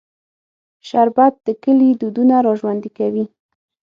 شربت د کلي دودونه راژوندي کوي